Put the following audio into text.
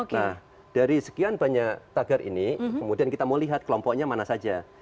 nah dari sekian banyak tagar ini kemudian kita mau lihat kelompoknya mana saja